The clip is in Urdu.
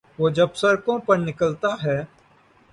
وہ جب سڑکوں پہ نکلتا ہے۔